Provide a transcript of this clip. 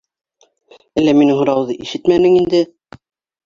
Әллә минең һорауҙы ишетмәнең инде?